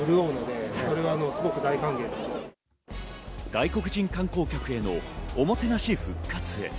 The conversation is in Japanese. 外国人観光客へのおもてなし復活へ。